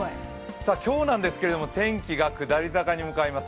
今日なんですけれども、天気が下り坂に向かいます。